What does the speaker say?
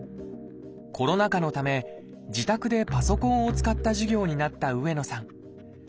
コロナ禍のため自宅でパソコンを使った授業になった上野さん。